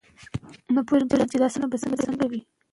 که موږ پوه شو، نو د درواغو له شته هوسایونکی شي.